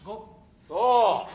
そう。